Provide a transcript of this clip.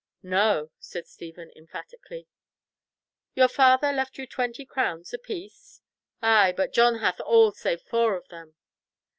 "No," said Stephen, emphatically. "Your father left you twenty crowns apiece?" "Ay, but John hath all save four of them."